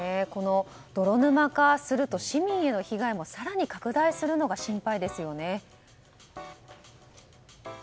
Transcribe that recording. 泥沼化すると、市民への被害も更に拡大するのが心配ですよね。